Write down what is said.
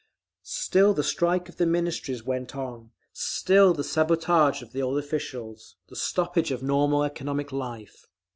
Still the strike of the Ministries went on, still the sabotage of the old officials, the stoppage of normal economic life.